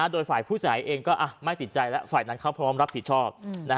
โดยฝ่ายผู้เสียหายเองก็ไม่ติดใจแล้วฝ่ายนั้นเขาพร้อมรับผิดชอบ